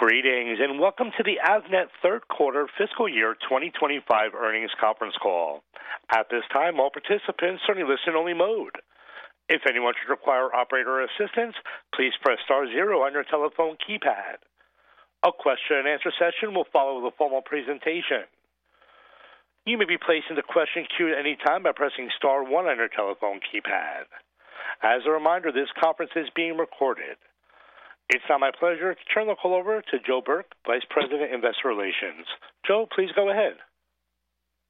Greetings and welcome to the Avnet Third Quarter Fiscal Year 2025 Earnings Conference Call. At this time, all participants are in listen-only mode. If anyone should require operator assistance, please press star zero on your telephone keypad. A question-and-answer session will follow with a formal presentation. You may be placed into question queue at any time by pressing star one on your telephone keypad. As a reminder, this conference is being recorded. It's now my pleasure to turn the call over to Joe Burke, Vice President, Investor Relations. Joe, please go ahead.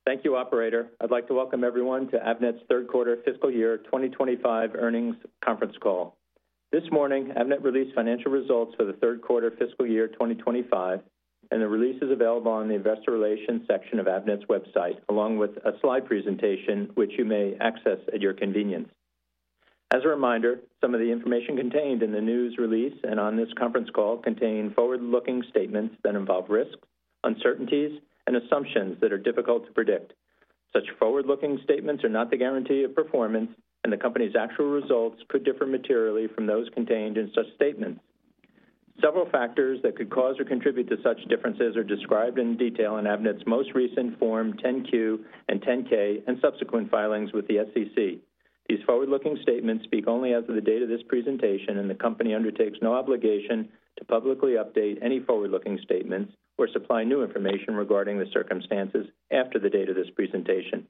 Thank you, Operator. I'd like to welcome everyone to Avnet's Third Quarter Fiscal Year 2025 Earnings Conference Call. This morning, Avnet released financial results for the Third Quarter Fiscal Year 2025, and the release is available on the Investor Relations section of Avnet's website, along with a slide presentation which you may access at your convenience. As a reminder, some of the information contained in the news release and on this conference call contain forward-looking statements that involve risks, uncertainties, and assumptions that are difficult to predict. Such forward-looking statements are not the guarantee of performance, and the company's actual results could differ materially from those contained in such statements. Several factors that could cause or contribute to such differences are described in detail in Avnet's most recent Form 10-Q and 10-K and subsequent filings with the SEC. These forward-looking statements speak only as of the date of this presentation, and the company undertakes no obligation to publicly update any forward-looking statements or supply new information regarding the circumstances after the date of this presentation.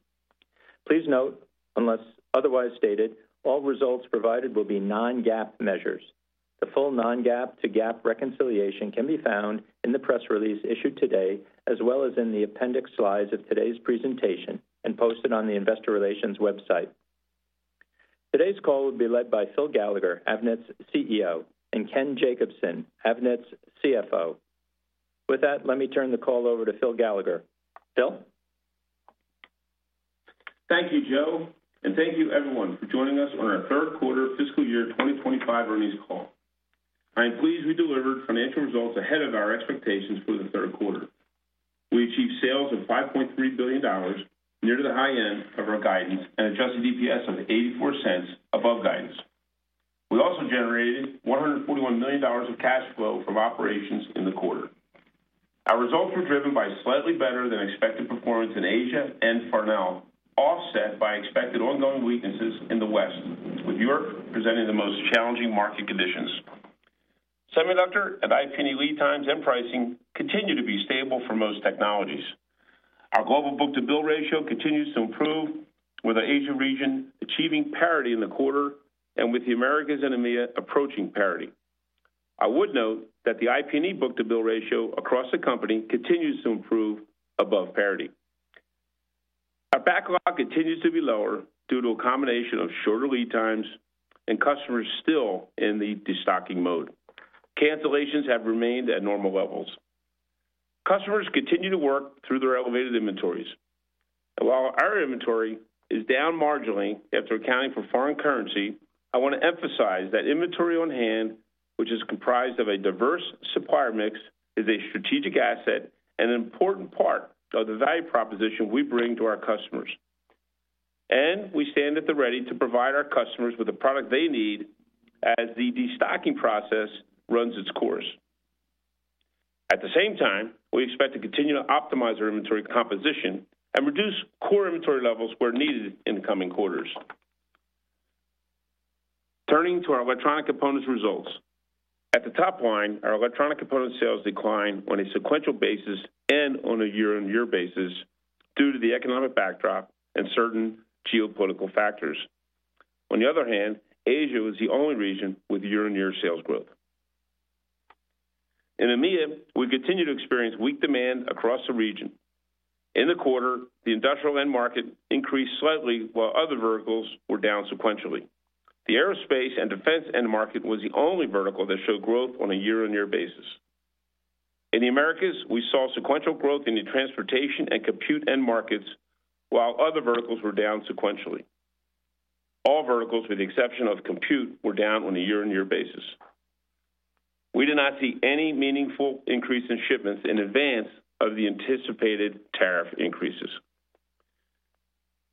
Please note, unless otherwise stated, all results provided will be non-GAAP measures. The full non-GAAP to GAAP reconciliation can be found in the press release issued today, as well as in the appendix slides of today's presentation and posted on the Investor Relations website. Today's call will be led by Phil Gallagher, Avnet's CEO, and Ken Jacobson, Avnet's CFO. With that, let me turn the call over to Phil Gallagher. Phil? Thank you, Joe, and thank you, everyone, for joining us on our Third Quarter Fiscal Year 2025 Earnings Call. I am pleased we delivered financial results ahead of our expectations for the third quarter. We achieved sales of $5.3 billion, near the high end of our guidance, and adjusted EPS of $0.84 above guidance. We also generated $141 million of cash flow from operations in the quarter. Our results were driven by slightly better than expected performance in Asia and Farnell, offset by expected ongoing weaknesses in the West, with Europe presenting the most challenging market conditions. Semiconductor and IP&E lead times and pricing continue to be stable for most technologies. Our global book-to-bill ratio continues to improve, with the Asia region achieving parity in the quarter and with the Americas and EMEA approaching parity. I would note that the IP&E book-to-bill ratio across the company continues to improve above parity. Our backlog continues to be lower due to a combination of shorter lead times and customers still in the destocking mode. Cancellations have remained at normal levels. Customers continue to work through their elevated inventories. While our inventory is down marginally after accounting for foreign currency, I want to emphasize that inventory on hand, which is comprised of a diverse supplier mix, is a strategic asset and an important part of the value proposition we bring to our customers. We stand at the ready to provide our customers with the product they need as the destocking process runs its course. At the same time, we expect to continue to optimize our inventory composition and reduce core inventory levels where needed in the coming quarters. Turning to our Electronic Components results, at the top line, our Electronic Component sales decline on a sequential basis and on a year-on-year basis due to the economic backdrop and certain geopolitical factors. On the other hand, Asia was the only region with year-on-year sales growth. In EMEA, we continue to experience weak demand across the region. In the quarter, the industrial end market increased slightly while other verticals were down sequentially. The aerospace and defense end market was the only vertical that showed growth on a year-on-year basis. In the Americas, we saw sequential growth in the transportation and compute end markets while other verticals were down sequentially. All verticals, with the exception of compute, were down on a year-on-year basis. We did not see any meaningful increase in shipments in advance of the anticipated tariff increases.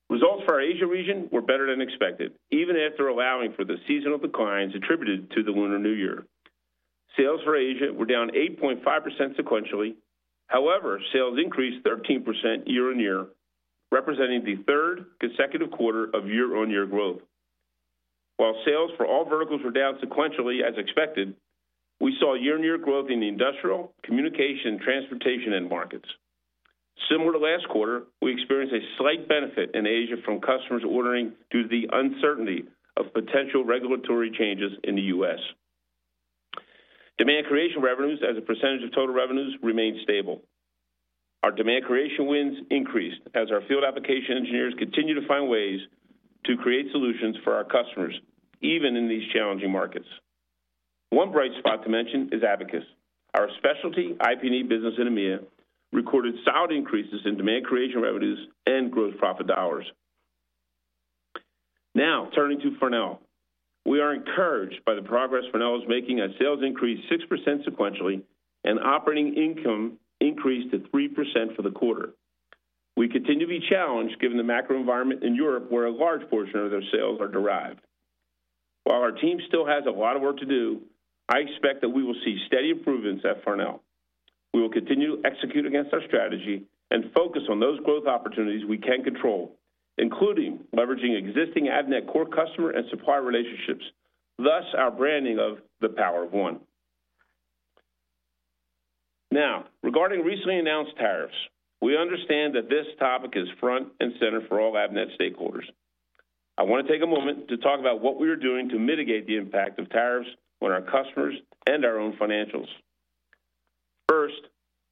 Results for our Asia region were better than expected, even after allowing for the seasonal declines attributed to the Lunar New Year. Sales for Asia were down 8.5% sequentially. However, sales increased 13% year-on-year, representing the third consecutive quarter of year-on-year growth. While sales for all verticals were down sequentially as expected, we saw year-on-year growth in the industrial, communication, and transportation end markets. Similar to last quarter, we experienced a slight benefit in Asia from customers ordering due to the uncertainty of potential regulatory changes in the U.S. Demand creation revenues as a percentage of total revenues remained stable. Our demand creation wins increased as our field application engineers continue to find ways to create solutions for our customers, even in these challenging markets. One bright spot to mention is Abacus. Our specialty IP&E business in EMEA recorded solid increases in demand creation revenues and gross profit dollars. Now, turning to Farnell, we are encouraged by the progress Farnell is making as sales increased 6% sequentially and operating income increased to 3% for the quarter. We continue to be challenged given the macro environment in Europe, where a large portion of their sales are derived. While our team still has a lot of work to do, I expect that we will see steady improvements at Farnell. We will continue to execute against our strategy and focus on those growth opportunities we can control, including leveraging existing Avnet core customer and supplier relationships, thus our branding of the Power of One. Now, regarding recently announced tariffs, we understand that this topic is front and center for all Avnet stakeholders. I want to take a moment to talk about what we are doing to mitigate the impact of tariffs on our customers and our own financials. First,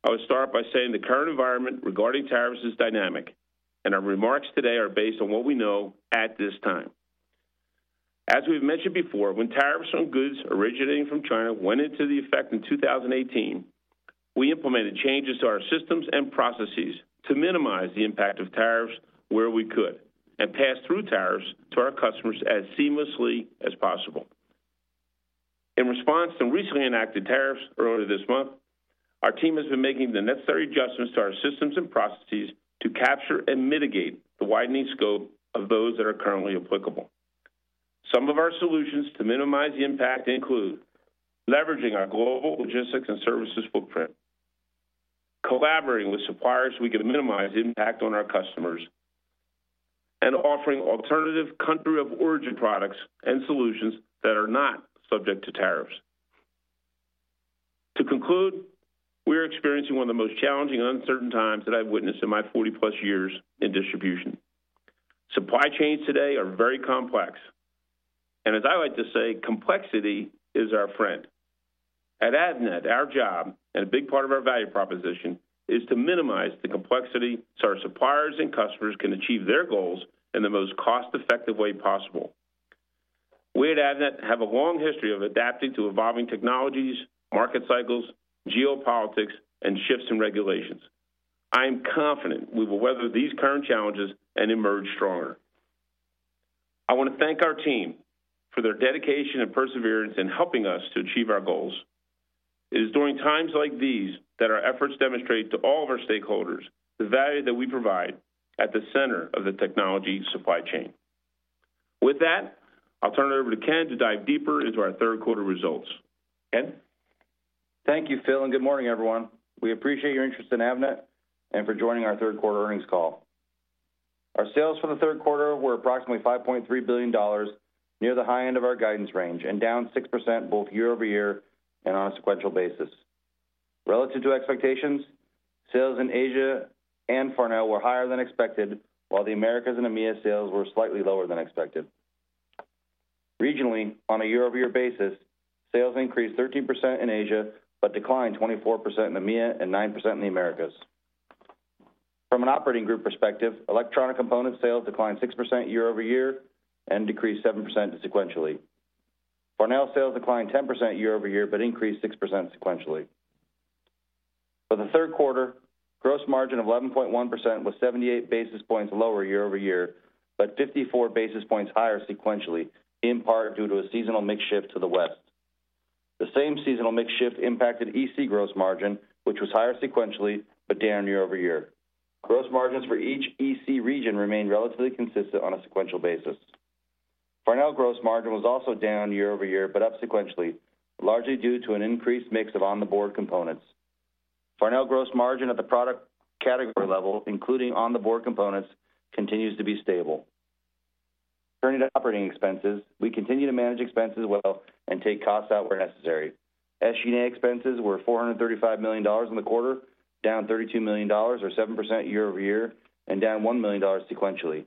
I will start by saying the current environment regarding tariffs is dynamic, and our remarks today are based on what we know at this time. As we've mentioned before, when tariffs on goods originating from China went into effect in 2018, we implemented changes to our systems and processes to minimize the impact of tariffs where we could and passed through tariffs to our customers as seamlessly as possible. In response to recently enacted tariffs earlier this month, our team has been making the necessary adjustments to our systems and processes to capture and mitigate the widening scope of those that are currently applicable. Some of our solutions to minimize the impact include leveraging our global logistics and services footprint, collaborating with suppliers we can minimize impact on our customers, and offering alternative country-of-origin products and solutions that are not subject to tariffs. To conclude, we are experiencing one of the most challenging and uncertain times that I've witnessed in my 40-plus years in distribution. Supply chains today are very complex, and as I like to say, complexity is our friend. At Avnet, our job, and a big part of our value proposition, is to minimize the complexity so our suppliers and customers can achieve their goals in the most cost-effective way possible. We at Avnet have a long history of adapting to evolving technologies, market cycles, geopolitics, and shifts in regulations. I am confident we will weather these current challenges and emerge stronger. I want to thank our team for their dedication and perseverance in helping us to achieve our goals. It is during times like these that our efforts demonstrate to all of our stakeholders the value that we provide at the center of the technology supply chain. With that, I'll turn it over to Ken to dive deeper into our third quarter results. Ken. Thank you, Phil, and good morning, everyone. We appreciate your interest in Avnet and for joining our Third Quarter Earnings Call. Our sales for the third quarter were approximately $5.3 billion, near the high end of our guidance range, and down 6% both year-over-year and on a sequential basis. Relative to expectations, sales in Asia and Farnell were higher than expected, while the Americas and EMEA sales were slightly lower than expected. Regionally, on a year-over-year basis, sales increased 13% in Asia but declined 24% in EMEA and 9% in the Americas. From an operating group perspective, Electronic Component sales declined 6% year-over-year and decreased 7% sequentially. Farnell sales declined 10% year-over-year but increased 6% sequentially. For the third quarter, gross margin of 11.1% was 78 basis points lower year-over-year but 54 basis points higher sequentially, in part due to a seasonal mix shift to the West. The same seasonal mix shift impacted EC gross margin, which was higher sequentially but down year-over-year. Gross margins for each EC region remained relatively consistent on a sequential basis. Farnell gross margin was also down year-over-year but up sequentially, largely due to an increased mix of on board components. Farnell gross margin at the product category level, including on-the-board components, continues to be stable. Turning to operating expenses, we continue to manage expenses well and take costs out where necessary. SG&A expenses were $435 million in the quarter, down $32 million, or 7% year-over-year, and down $1 million sequentially.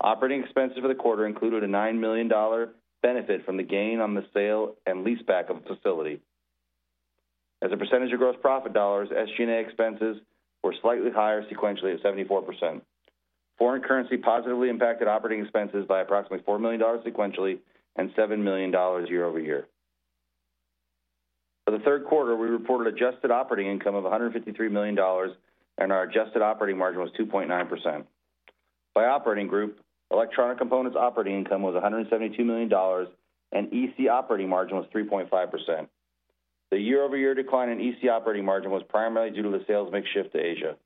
Operating expenses for the quarter included a $9 million benefit from the gain on the sale and lease back of a facility. As a percentage of gross profit dollars, SG&A expenses were slightly higher sequentially at 74%. Foreign currency positively impacted operating expenses by approximately $4 million sequentially and $7 million year-over-year. For the third quarter, we reported adjusted operating income of $153 million, and our adjusted operating margin was 2.9%. By operating group, Electronic Components operating income was $172 million, and EC operating margin was 3.5%. The year-over-year decline in EC operating margin was primarily due to the sales mix shift to Asia.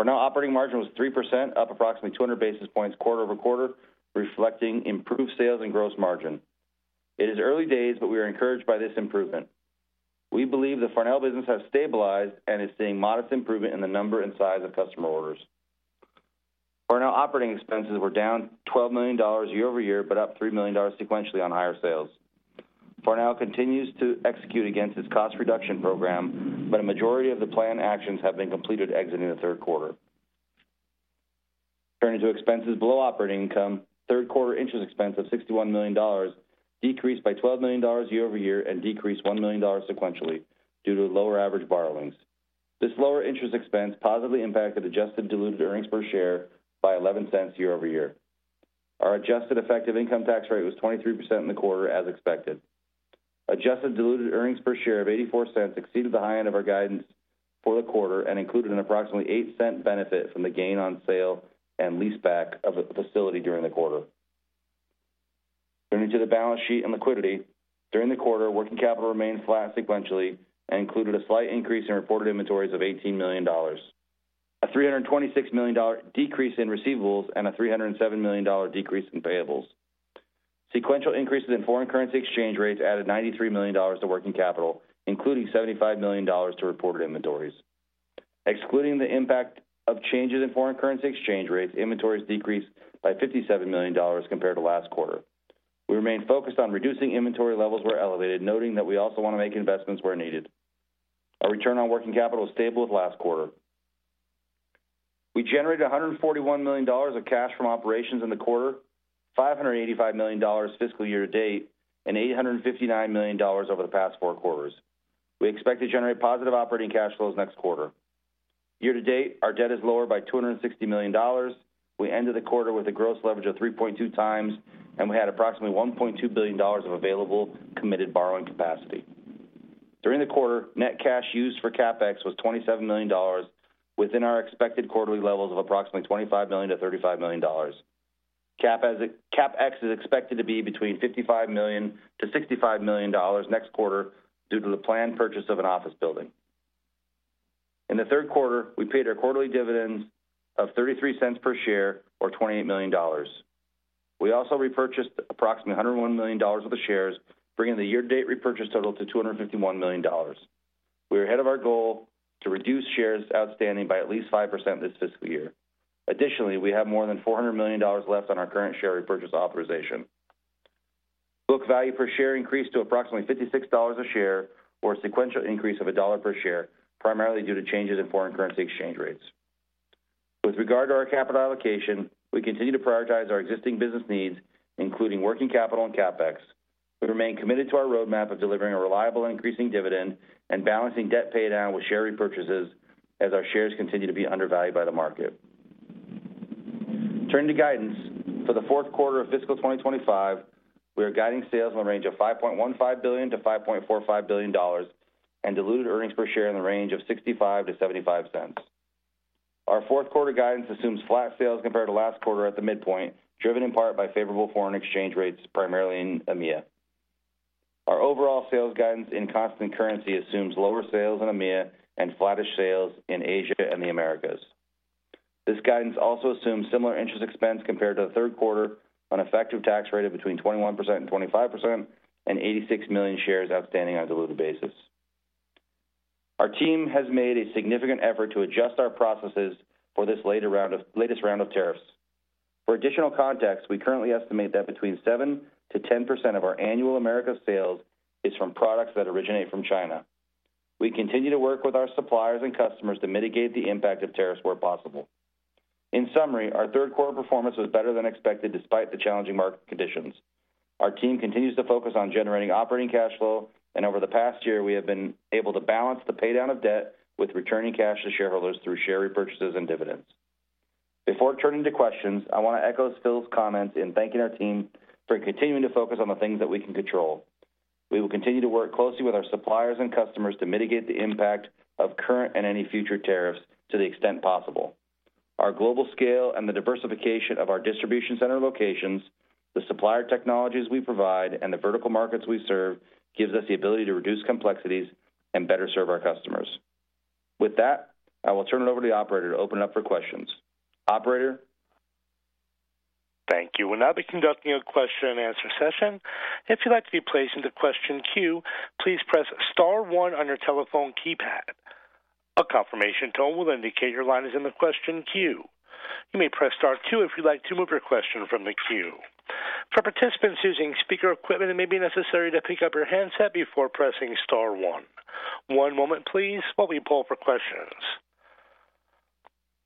Farnell operating margin was 3%, up approximately 200 basis points quarter over quarter, reflecting improved sales and gross margin. It is early days, but we are encouraged by this improvement. We believe the Farnell business has stabilized and is seeing modest improvement in the number and size of customer orders. Farnell operating expenses were down $12 million year-over-year but up $3 million sequentially on higher sales. Farnell continues to execute against its cost reduction program, but a majority of the planned actions have been completed exiting the third quarter. Turning to expenses below operating income, third quarter interest expense of $61 million decreased by $12 million year-over-year and decreased $1 million sequentially due to lower average borrowings. This lower interest expense positively impacted adjusted diluted earnings per share by $0.11 year-over-year. Our adjusted effective income tax rate was 23% in the quarter, as expected. Adjusted diluted earnings per share of $0.84 exceeded the high end of our guidance for the quarter and included an approximately $0.08 benefit from the gain on sale and lease back of the facility during the quarter. Turning to the balance sheet and liquidity, during the quarter, working capital remained flat sequentially and included a slight increase in reported inventories of $18 million, a $326 million decrease in receivables, and a $307 million decrease in payables. Sequential increases in foreign currency exchange rates added $93 million to working capital, including $75 million to reported inventories. Excluding the impact of changes in foreign currency exchange rates, inventories decreased by $57 million compared to last quarter. We remain focused on reducing inventory levels where elevated, noting that we also want to make investments where needed. Our return on working capital was stable with last quarter. We generated $141 million of cash from operations in the quarter, $585 million fiscal year to date, and $859 million over the past four quarters. We expect to generate positive operating cash flows next quarter. Year to date, our debt is lower by $260 million. We ended the quarter with a gross leverage of 3.2 times, and we had approximately $1.2 billion of available committed borrowing capacity. During the quarter, net cash used for CapEx was $27 million, within our expected quarterly levels of approximately $25 million-$35 million. CapEx is expected to be between $55 million-$65 million next quarter due to the planned purchase of an office building. In the third quarter, we paid our quarterly dividends of $0.33 per share, or $28 million. We also repurchased approximately $101 million of the shares, bringing the year-to-date repurchase total to $251 million. We are ahead of our goal to reduce shares outstanding by at least 5% this fiscal year. Additionally, we have more than $400 million left on our current share repurchase authorization. Book value per share increased to approximately $56 a share, or a sequential increase of $1 per share, primarily due to changes in foreign currency exchange rates. With regard to our capital allocation, we continue to prioritize our existing business needs, including working capital and CapEx. We remain committed to our roadmap of delivering a reliable and increasing dividend and balancing debt paydown with share repurchases as our shares continue to be undervalued by the market. Turning to guidance, for the fourth quarter of fiscal 2025, we are guiding sales in the range of $5.15 billion-$5.45 billion and diluted earnings per share in the range of $0.65-$0.75. Our fourth quarter guidance assumes flat sales compared to last quarter at the midpoint, driven in part by favorable foreign exchange rates, primarily in EMEA. Our overall sales guidance in constant currency assumes lower sales in EMEA and flattish sales in Asia and the Americas. This guidance also assumes similar interest expense compared to the third quarter, an effective tax rate of between 21% and 25%, and 86 million shares outstanding on a diluted basis. Our team has made a significant effort to adjust our processes for this latest round of tariffs. For additional context, we currently estimate that between 7% to 10% of our annual Americas sales is from products that originate from China. We continue to work with our suppliers and customers to mitigate the impact of tariffs where possible. In summary, our third quarter performance was better than expected despite the challenging market conditions. Our team continues to focus on generating operating cash flow, and over the past year, we have been able to balance the paydown of debt with returning cash to shareholders through share repurchases and dividends. Before turning to questions, I want to echo Phil's comments in thanking our team for continuing to focus on the things that we can control. We will continue to work closely with our suppliers and customers to mitigate the impact of current and any future tariffs to the extent possible. Our global scale and the diversification of our distribution center locations, the supplier technologies we provide, and the vertical markets we serve give us the ability to reduce complexities and better serve our customers. With that, I will turn it over to the operator to open it up for questions. Operator. Thank you. We'll now be conducting a question-and-answer session. If you'd like to be placed into question queue, please press Star one on your telephone keypad. A confirmation tone will indicate your line is in the question queue. You may press Star two if you'd like to move your question from the queue. For participants using speaker equipment, it may be necessary to pick up your handset before pressing Star one. One moment, please, while we pull for questions.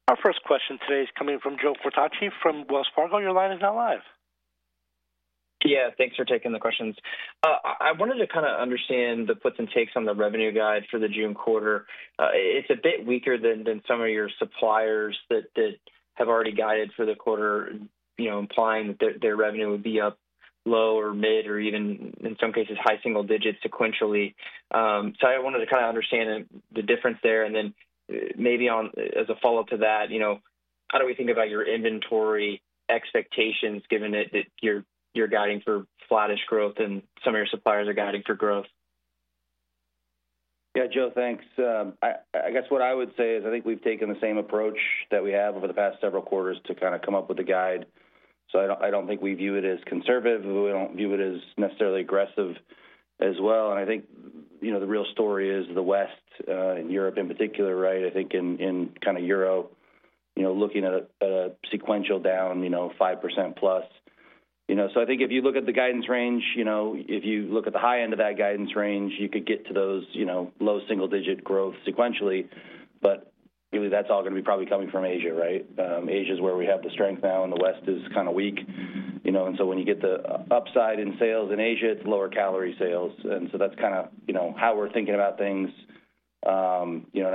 Our first question today is coming from Joe Quatrochi from Wells Fargo. Your line is now live. Yeah, thanks for taking the questions. I wanted to kind of understand the puts and takes on the revenue guide for the June quarter. It is a bit weaker than some of your suppliers that have already guided for the quarter, implying that their revenue would be up, low, or mid, or even, in some cases, high single digits sequentially. I wanted to kind of understand the difference there. Maybe as a follow-up to that, how do we think about your inventory expectations given that you are guiding for flattish growth and some of your suppliers are guiding for growth? Yeah, Joe, thanks. I guess what I would say is I think we've taken the same approach that we have over the past several quarters to kind of come up with a guide. I don't think we view it as conservative. We don't view it as necessarily aggressive as well. I think the real story is the West, in Europe in particular, right? I think in kind of euro, looking at a sequential down 5% plus. I think if you look at the guidance range, if you look at the high end of that guidance range, you could get to those low single-digit growth sequentially. Really, that's all going to be probably coming from Asia, right? Asia is where we have the strength now, and the West is kind of weak. When you get the upside in sales in Asia, it's lower calorie sales. That is kind of how we're thinking about things. I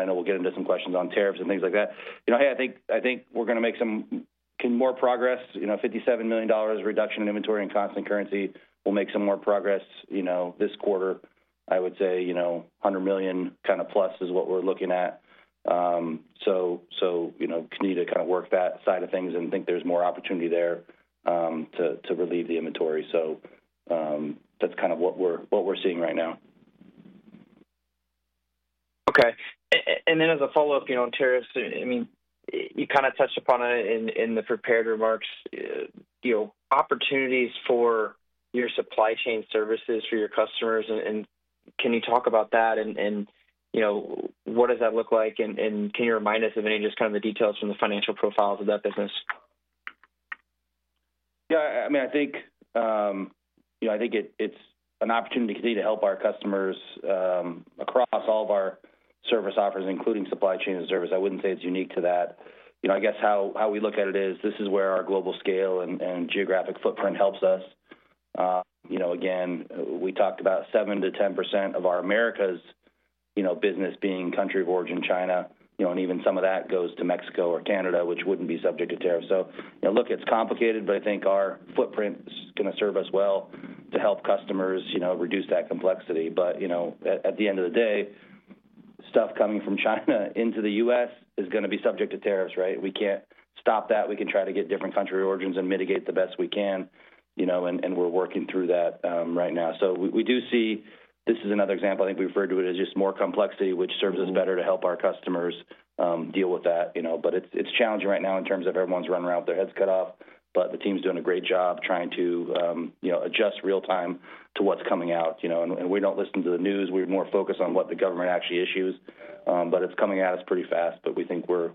know we'll get into some questions on tariffs and things like that. Hey, I think we're going to make some more progress. $57 million reduction in inventory in constant currency. We'll make some more progress this quarter. I would say $100 million kind of plus is what we're looking at. We need to kind of work that side of things and think there's more opportunity there to relieve the inventory. That is kind of what we're seeing right now. Okay. And then as a follow-up on tariffs, I mean, you kind of touched upon it in the prepared remarks. Opportunities for your supply chain services for your customers, and can you talk about that? What does that look like? Can you remind us of any just kind of the details from the financial profiles of that business? Yeah. I mean, I think it's an opportunity to continue to help our customers across all of our service offers, including supply chain and service. I wouldn't say it's unique to that. I guess how we look at it is this is where our global scale and geographic footprint helps us. Again, we talked about 7-10% of our Americas business being country of origin, China. And even some of that goes to Mexico or Canada, which wouldn't be subject to tariffs. Look, it's complicated, but I think our footprint is going to serve us well to help customers reduce that complexity. At the end of the day, stuff coming from China into the U.S. is going to be subject to tariffs, right? We can't stop that. We can try to get different country origins and mitigate the best we can. We're working through that right now. We do see this is another example. I think we referred to it as just more complexity, which serves us better to help our customers deal with that. It is challenging right now in terms of everyone's running around with their heads cut off. The team's doing a great job trying to adjust real-time to what's coming out. We don't listen to the news. We're more focused on what the government actually issues. It's coming at us pretty fast. We think we're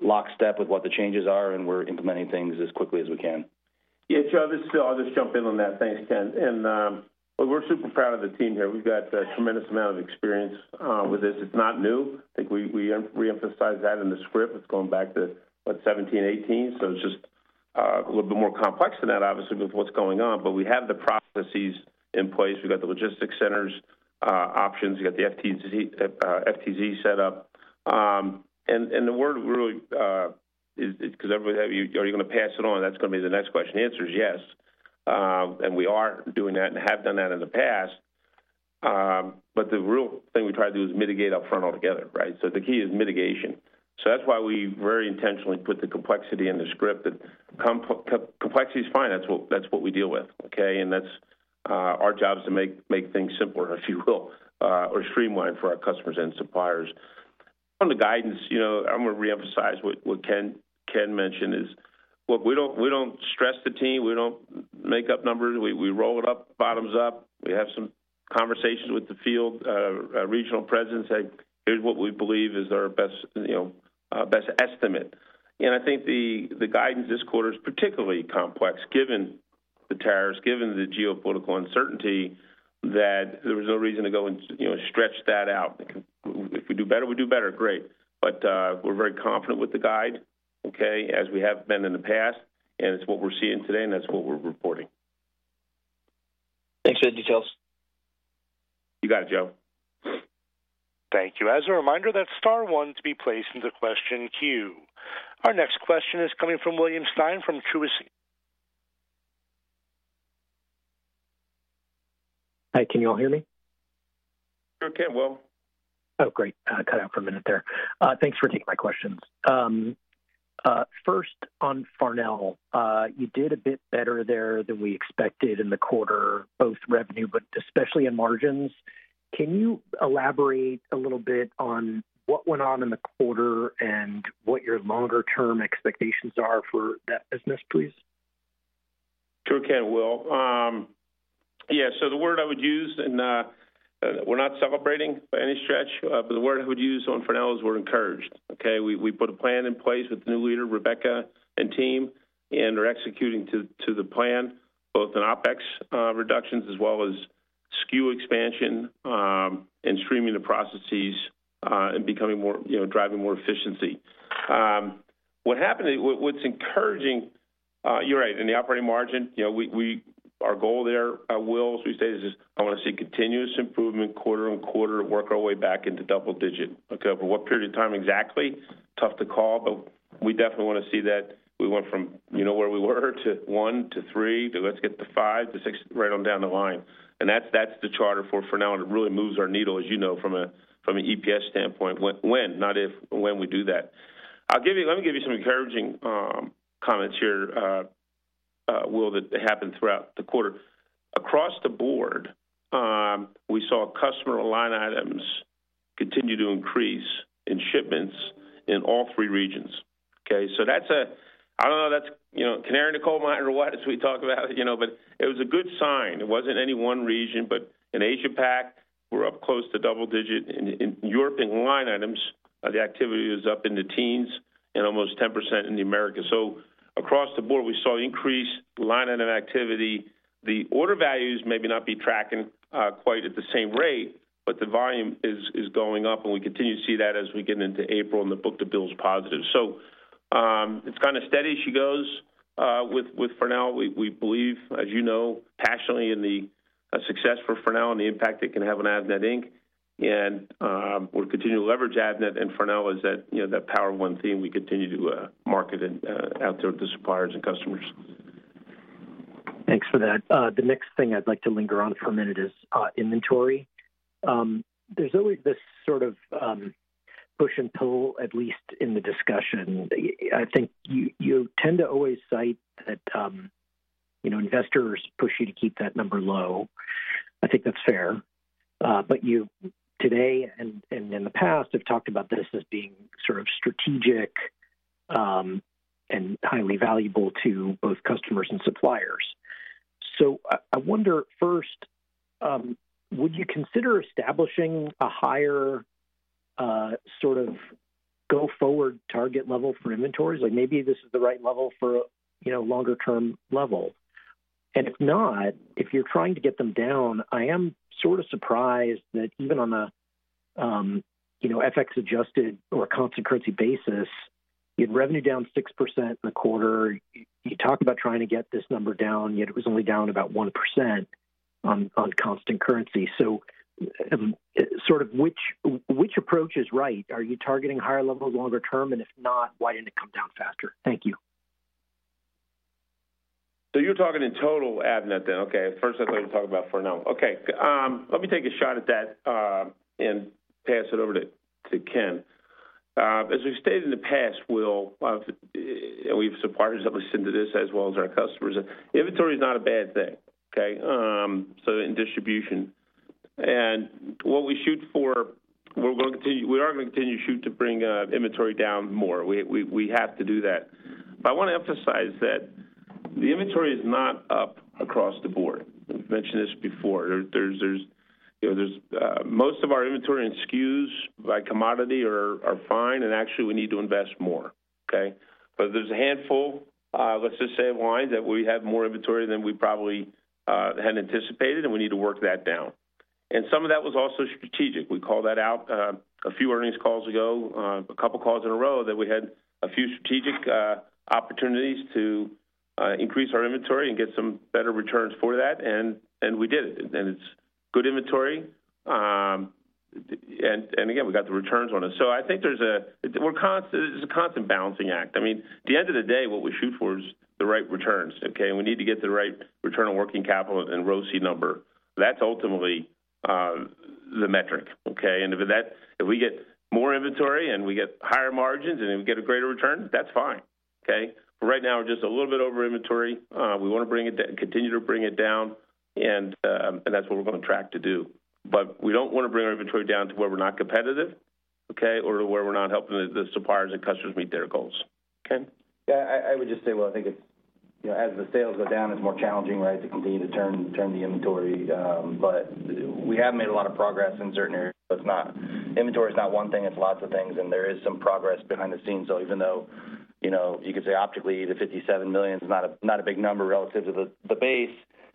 lockstep with what the changes are, and we're implementing things as quickly as we can. Yeah, Joe, I'll just jump in on that. Thanks, Ken. And we're super proud of the team here. We've got a tremendous amount of experience with this. It's not new. I think we re-emphasized that in the script. It's going back to, what, 2017, 2018? It's just a little bit more complex than that, obviously, with what's going on. We have the processes in place. We've got the logistics centers options. We've got the FTZ set up. The word really is because everybody's like, "Are you going to pass it on?" That's going to be the next question. The answer is yes. We are doing that and have done that in the past. The real thing we try to do is mitigate upfront altogether, right? The key is mitigation. That's why we very intentionally put the complexity in the script. Complexity is fine. That's what we deal with, okay? Our job is to make things simpler, if you will, or streamline for our customers and suppliers. On the guidance, I'm going to re-emphasize what Ken mentioned is, look, we don't stress the team. We don't make up numbers. We roll it up, bottoms up. We have some conversations with the field, regional presidents, saying, "Here's what we believe is our best estimate." I think the guidance this quarter is particularly complex, given the tariffs, given the geopolitical uncertainty, that there was no reason to go and stretch that out. If we do better, we do better. Great. We're very confident with the guide, okay, as we have been in the past. It's what we're seeing today, and that's what we're reporting. Thanks for the details. You got it, Joe. Thank you. As a reminder, that's Star one to be placed into question queue. Our next question is coming from William Stein from Truist. Hi, can you all hear me? Sure can. Well. Oh, great. I cut out for a minute there. Thanks for taking my questions. First, on Farnell, you did a bit better there than we expected in the quarter, both revenue, but especially in margins. Can you elaborate a little bit on what went on in the quarter and what your longer-term expectations are for that business, please? Sure can. Yeah. The word I would use, and we're not celebrating by any stretch, but the word I would use on Farnell is we're encouraged, okay? We put a plan in place with the new leader, Rebeca, and team, and are executing to the plan, both in OpEx reductions as well as SKU expansion and streaming the processes and driving more efficiency. What happened, what's encouraging, you're right, in the operating margin, our goal there, Will, we say this is, "I want to see continuous improvement quarter on quarter, work our way back into double digit." Okay, for what period of time exactly? Tough to call, but we definitely want to see that we went from where we were to one to three, to let's get to five to six right on down the line. That's the charter for Farnell, and it really moves our needle, as you know, from an EPS standpoint, when, not if, when we do that. Let me give you some encouraging comments here, Will, that happened throughout the quarter. Across the board, we saw customer line items continue to increase in shipments in all three regions, okay? I do not know if that's canary in the coal mine or what as we talk about it, but it was a good sign. It was not any one region, but in Asia-Pac, we are up close to double digit. In Europe and line items, the activity is up into teens and almost 10% in the Americas. Across the board, we saw increased line item activity. The order values may not be tracking quite at the same rate, but the volume is going up, and we continue to see that as we get into April and the book-to-bill is positive. It is kind of steady as she goes with Farnell. We believe, as you know, passionately in the success for Farnell and the impact it can have on Avnet. We will continue to leverage Avnet and Farnell as that Power of One theme we continue to market out there to suppliers and customers. Thanks for that. The next thing I'd like to linger on for a minute is inventory. There's always this sort of push and pull, at least in the discussion. I think you tend to always cite that investors push you to keep that number low. I think that's fair. But you, today and in the past, have talked about this as being sort of strategic and highly valuable to both customers and suppliers. I wonder, first, would you consider establishing a higher sort of go forward target level for inventories? Maybe this is the right level for a longer-term level. If not, if you're trying to get them down, I am sort of surprised that even on an FX-adjusted or a constant currency basis, you had revenue down 6% in the quarter. You talked about trying to get this number down, yet it was only down about 1% on constant currency. Which approach is right? Are you targeting higher levels longer term? If not, why did it not come down faster? Thank you. You're talking in total Avnet then, okay? First, I thought you were talking about Farnell. Okay. Let me take a shot at that and pass it over to Ken. As we've stated in the past, Will, and we've supported at least into this as well as our customers, inventory is not a bad thing, okay? In distribution, what we shoot for, we're going to continue—we are going to continue to shoot to bring inventory down more. We have to do that. I want to emphasize that the inventory is not up across the board. We've mentioned this before. Most of our inventory and SKUs by commodity are fine, and actually, we need to invest more, okay? There's a handful, let's just say, of lines that we have more inventory than we probably had anticipated, and we need to work that down. Some of that was also strategic. We called that out a few earnings calls ago, a couple of calls in a row, that we had a few strategic opportunities to increase our inventory and get some better returns for that. We did it. It is good inventory. Again, we got the returns on it. I think it is a constant balancing act. I mean, at the end of the day, what we shoot for is the right returns, okay? We need to get the right return on working capital and ROCE number. That is ultimately the metric, okay? If we get more inventory and we get higher margins and we get a greater return, that is fine, okay? Right now, we are just a little bit over inventory. We want to bring it down and continue to bring it down. That is what we are going to track to do. We do not want to bring our inventory down to where we are not competitive, or to where we are not helping the suppliers and customers meet their goals, okay? Yeah. I would just say, I think as the sales go down, it's more challenging, right, to continue to turn the inventory. But we have made a lot of progress in certain areas. Inventory is not one thing. It's lots of things. And there is some progress behind the scenes. Even though you could say optically, the $57 million is not a big number relative to the base,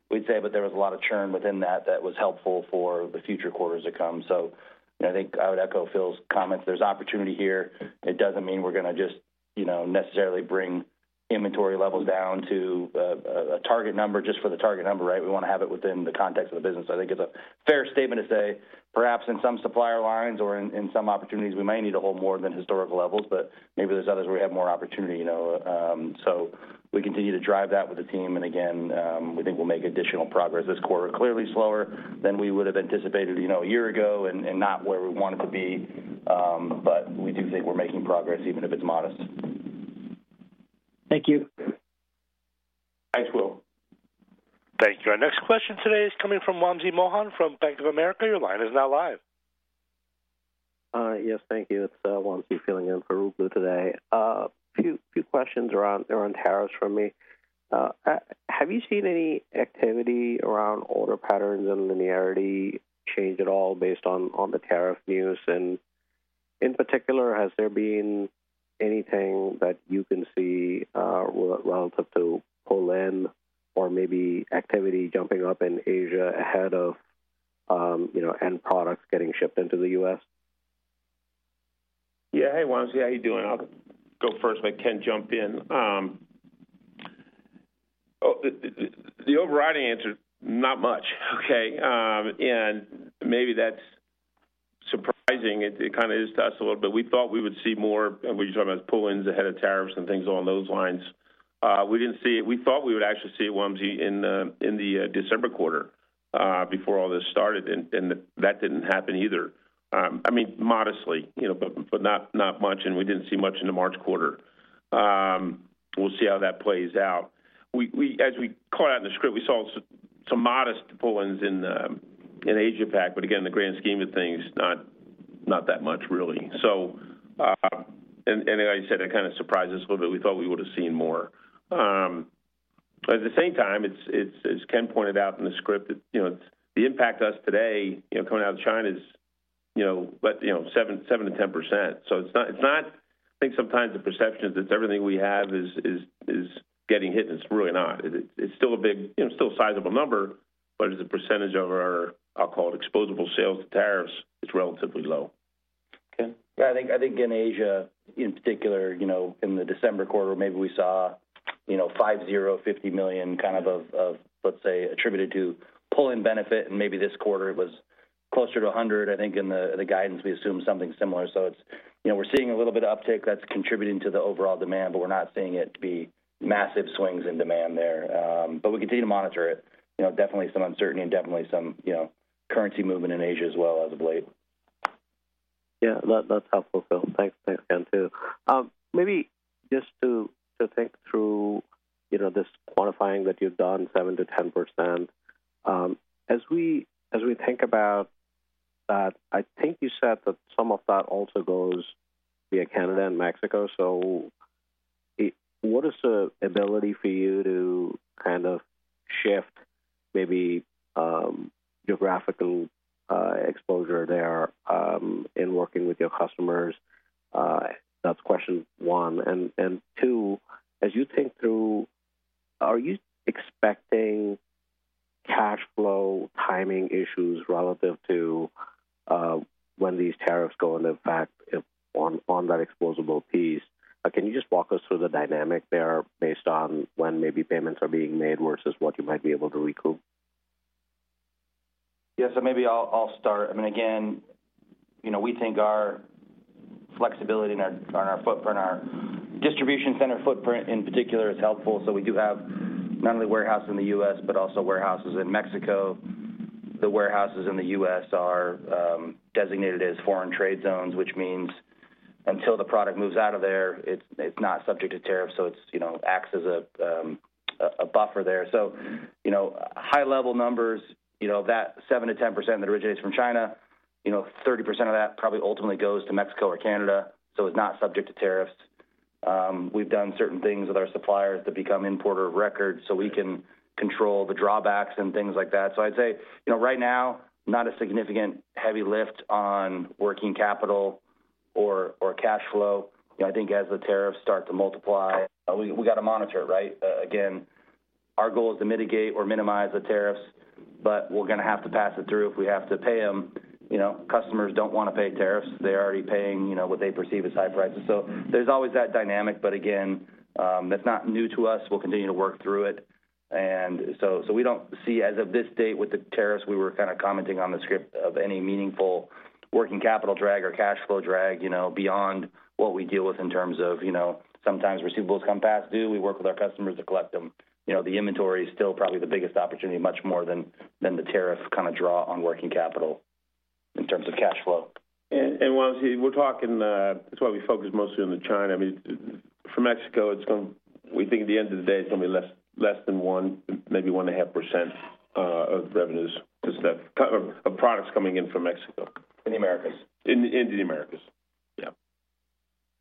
we'd say, but there was a lot of churn within that that was helpful for the future quarters to come. I think I would echo Phil's comments. There's opportunity here. It doesn't mean we're going to just necessarily bring inventory levels down to a target number just for the target number, right? We want to have it within the context of the business. I think it's a fair statement to say, perhaps in some supplier lines or in some opportunities, we may need to hold more than historical levels, but maybe there's others where we have more opportunity. We continue to drive that with the team. Again, we think we'll make additional progress this quarter. Clearly slower than we would have anticipated a year ago and not where we wanted to be. We do think we're making progress, even if it's modest. Thank you. Thanks, Will. Thank you. Our next question today is coming from Wamsi Mohan from Bank of America. Your line is now live. Yes, thank you. It's Wamsi filling in Ruplu today. A few questions around tariffs for me. Have you seen any activity around order patterns and linearity change at all based on the tariff news? In particular, has there been anything that you can see relative to pull in or maybe activity jumping up in Asia ahead of end products getting shipped into the US? Yeah. Hey, Wamsi. How are you doing? I'll go first. Let Ken jump in. The overriding answer is not much, okay? Maybe that's surprising. It kind of is to us a little bit. We thought we would see more, and we were talking about pull-ins ahead of tariffs and things along those lines. We didn't see it. We thought we would actually see it, Wamsi, in the December quarter before all this started. That didn't happen either. I mean, modestly, but not much. We didn't see much in the March quarter. We'll see how that plays out. As we called out in the script, we saw some modest pull-ins in Asia-Pac. Again, the grand scheme of things, not that much, really. Like I said, it kind of surprised us a little bit. We thought we would have seen more. At the same time, as Ken pointed out in the script, the impact to us today coming out of China is 7-10%. It is not—I think sometimes the perception is that everything we have is getting hit. It is really not. It is still a big, still a sizable number, but as a percentage of our, I will call it, exposable sales to tariffs, it is relatively low. Yeah. I think in Asia, in particular, in the December quarter, maybe we saw $50 million kind of, let's say, attributed to pull-in benefit. And maybe this quarter, it was closer to $100 million, I think, in the guidance. We assumed something similar. We're seeing a little bit of uptick that's contributing to the overall demand, but we're not seeing it be massive swings in demand there. We continue to monitor it. Definitely some uncertainty and definitely some currency movement in Asia as well as of late. Yeah. That's helpful, Phil. Thanks, Ken too. Maybe just to think through this quantifying that you've done, 7-10%, as we think about that, I think you said that some of that also goes via Canada and Mexico. What is the ability for you to kind of shift maybe geographical exposure there in working with your customers? That's question one. Two, as you think through, are you expecting cash flow timing issues relative to when these tariffs go into effect on that exposable piece? Can you just walk us through the dynamic there based on when maybe payments are being made versus what you might be able to recoup? Yeah. Maybe I'll start. I mean, again, we think our flexibility and our distribution center footprint in particular is helpful. We do have not only warehouse in the U.S., but also warehouses in Mexico. The warehouses in the U.S. are designated as foreign trade zones, which means until the product moves out of there, it's not subject to tariffs. It acts as a buffer there. High-level numbers, that 7%-10% that originates from China, 30% of that probably ultimately goes to Mexico or Canada, so it's not subject to tariffs. We've done certain things with our suppliers to become importer of record so we can control the drawbacks and things like that. I'd say right now, not a significant heavy lift on working capital or cash flow. I think as the tariffs start to multiply, we got to monitor it, right? Again, our goal is to mitigate or minimize the tariffs, but we're going to have to pass it through if we have to pay them. Customers don't want to pay tariffs. They're already paying what they perceive as high prices. There's always that dynamic. Again, that's not new to us. We'll continue to work through it. We don't see, as of this date with the tariffs, we were kind of commenting on the script of any meaningful working capital drag or cash flow drag beyond what we deal with in terms of sometimes receivables come past due. We work with our customers to collect them. The inventory is still probably the biggest opportunity, much more than the tariff kind of draw on working capital in terms of cash flow. we are talking—that is why we focus mostly on the China. I mean, for Mexico, we think at the end of the day, it is going to be less than one, maybe one and a half percent of revenues of products coming in from Mexico. In the Americas. In the Americas. Yeah.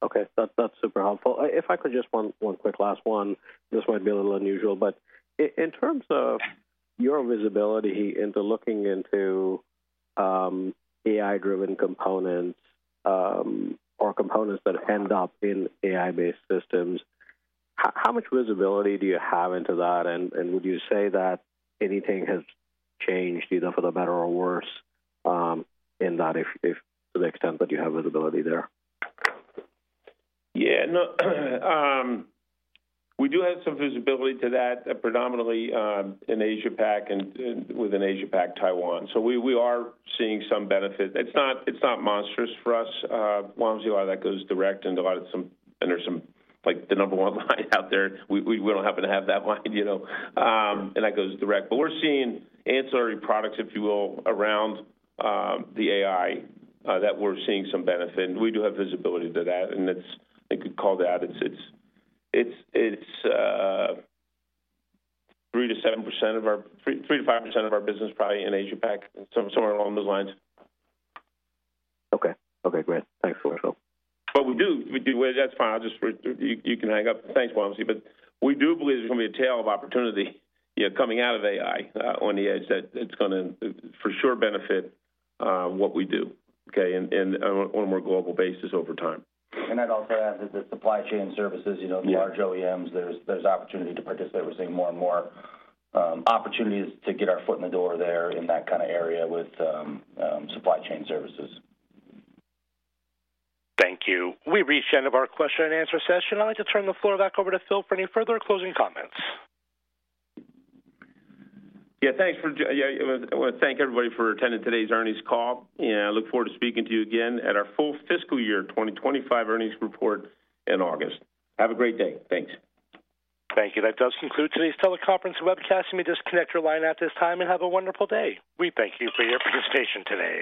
Okay. That's super helpful. If I could just one quick last one, this might be a little unusual, but in terms of your visibility into looking into AI-driven components or components that end up in AI-based systems, how much visibility do you have into that? Would you say that anything has changed, either for the better or worse, in that, to the extent that you have visibility there? Yeah. We do have some visibility to that, predominantly in Asia-Pac and within Asia-Pac, Taiwan. We are seeing some benefit. It's not monstrous for us. Wamsi, a lot of that goes direct, and a lot of—and there's some like the number one line out there. We do not happen to have that line. That goes direct. We are seeing ancillary products, if you will, around the AI that we are seeing some benefit. We do have visibility to that. I think we call that it's 3-7% of our—3-5% of our business probably in Asia-Pac, somewhere along those lines. Okay. Okay. Great. Thanks, Phil. That is fine. You can hang up. Thanks, Wamsi. We do believe there is going to be a tail of opportunity coming out of AI on the edge that is going to for sure benefit what we do, okay, and on a more global basis over time. I'd also add that the supply chain services, large OEMs, there's opportunity to participate. We're seeing more and more opportunities to get our foot in the door there in that kind of area with supply chain services. Thank you. We reached the end of our question and answer session. I'd like to turn the floor back over to Phil for any further closing comments. Yeah. Thanks. I want to thank everybody for attending today's earnings call. I look forward to speaking to you again at our full fiscal year 2025 earnings report in August. Have a great day. Thanks. Thank you. That does conclude today's teleconference and webcast. You may disconnect your line at this time and have a wonderful day. We thank you for your participation today.